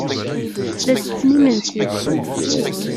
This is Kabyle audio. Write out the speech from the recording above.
La ttetten imensi.